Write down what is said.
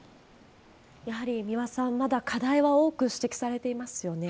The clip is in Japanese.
やはり三輪さん、まだ課題は多く指摘されていますよね。